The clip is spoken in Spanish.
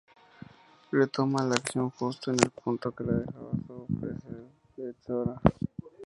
Retoma la acción justo en el punto que la dejaba su predecesora.